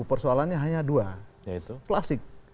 persoalannya hanya dua klasik